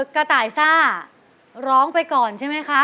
กระต่ายซ่าร้องไปก่อนใช่ไหมคะ